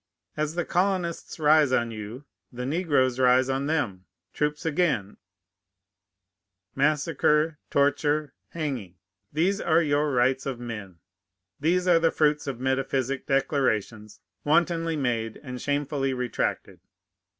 As the colonists rise on you, the negroes rise on them. Troops again, massacre, torture, hanging! These are your rights of men! These are the fruits of metaphysic declarations wantonly made and shamefully retracted!